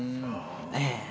ええ。